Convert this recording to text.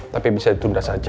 tapi bisa ditunda saja